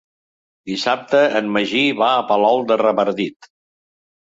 Dissabte en Magí va a Palol de Revardit.